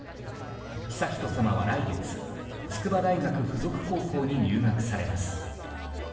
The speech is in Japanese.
悠仁さまは、来月筑波大学附属高校に入学されます。